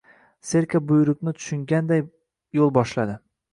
Serka buyruqni tushunganday yo‘l boshladi